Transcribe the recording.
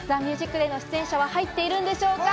『ＴＨＥＭＵＳＩＣＤＡＹ』の出演者は入っているんでしょうか？